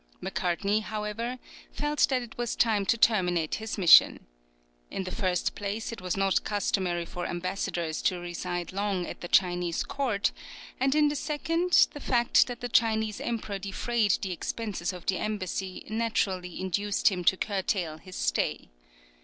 Macartney, however, felt that it was time to terminate his mission. In the first place, it was not customary for ambassadors to reside long at the Chinese court; and in the second, the fact that the Chinese emperor defrayed the expenses of the embassy naturally induced him to curtail his stay.